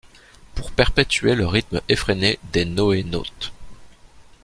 Pour perpétuer le rythme effréné des NoéNautes.